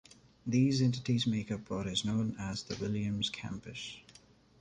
These entities make up what is known as the Williams Campus.